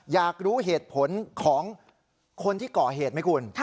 อยากรู้เหตุผลของคนที่ก่อเหตุไหมคุณ